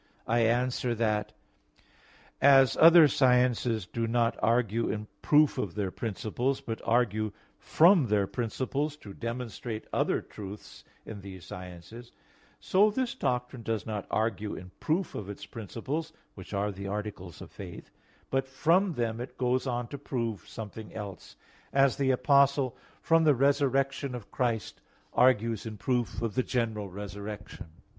I answer that, As other sciences do not argue in proof of their principles, but argue from their principles to demonstrate other truths in these sciences: so this doctrine does not argue in proof of its principles, which are the articles of faith, but from them it goes on to prove something else; as the Apostle from the resurrection of Christ argues in proof of the general resurrection (1 Cor.